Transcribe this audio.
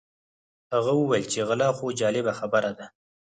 هغه وویل چې غلا خو جالبه خبره ده.